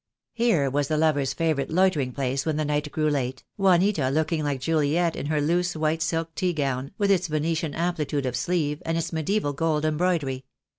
Here was the lovers' favourite loitering place when the night grew late, Juanita looking like Juliet in her loose white silk tea gown, with its Venetian ampli tude of sleeve and its mediaeval gold embroidery.